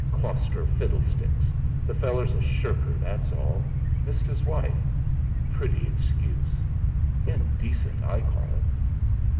"Clauster fiddlesticks! The feller's a shirker, that's all. Missed his wife pretty excuse! Indecent, I call it!"